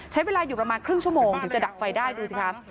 ใช้เวลาอยู่ประมาณครึ่งชั่วโมงถึงจะดับไฟได้ดูสิคะ